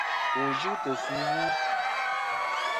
Wù n-yɨ tɨ̀ sù ɨwu.